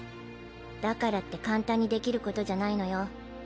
だからって簡単にできることじゃないのよ。